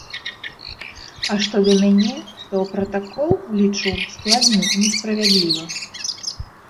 А што да мяне, то пратакол, лічу, складзены несправядліва.